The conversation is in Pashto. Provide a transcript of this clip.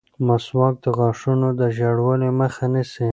مسواک د غاښونو د ژېړوالي مخه نیسي.